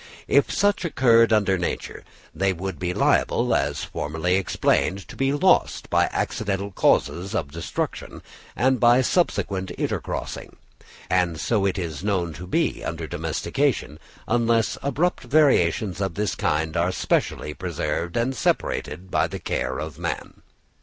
If such occurred under nature, they would be liable, as formerly explained, to be lost by accidental causes of destruction and by subsequent intercrossing; and so it is known to be under domestication, unless abrupt variations of this kind are specially preserved and separated by the care of man.